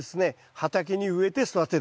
畑に植えて育てるんです。